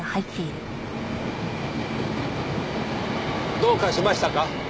どうかしましたか？